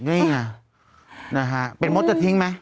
นี่ไงนะฮะเป็นมดจะทิ้งไหม